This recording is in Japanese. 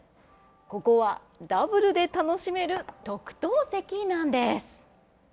ここは、ダブルで楽しめる特等席なんです。